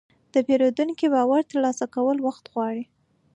د پیرودونکي باور ترلاسه کول وخت غواړي.